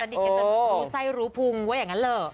สนิทกันจะรู้ใส่รู้ภูมิไว้อย่างนั้นเลย